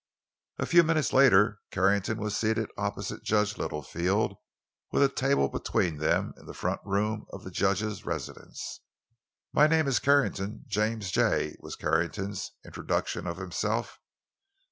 A few minutes later Carrington was seated opposite Judge Littlefield, with a table between them, in the front room of the judge's residence. "My name is Carrington—James J.," was Carrington's introduction of himself.